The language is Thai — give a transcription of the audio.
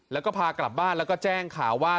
แล้วก็พากลับบ้านแล้วก็แจ้งข่าวว่า